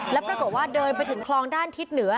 แล้วปรากฏว่าเดินไปถึงคลองด้านทิศเหนือ